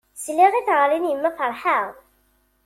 Sliɣ i teɣri n yemma ferḥeɣ.